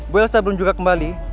bu elsa belum juga kembali